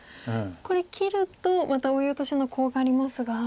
これ切るとまたオイオトシのコウがありますが。